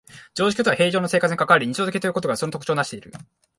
常識は平生の生活に関わり、日常的ということがその特徴をなしている。